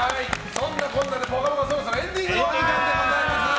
そんなこんなで「ぽかぽか」そろそろエンディングのお時間でございます。